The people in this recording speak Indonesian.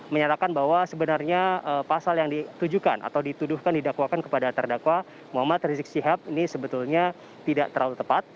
menyatakan bahwa sebenarnya pasal yang ditujukan atau dituduhkan didakwakan kepada terdakwa muhammad rizik syihab ini sebetulnya tidak terlalu tepat